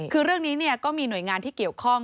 คือเรื่องนี้ก็มีหน่วยงานที่เกี่ยวข้อง